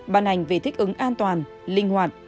bàn hành về thích ứng an toàn linh hoạt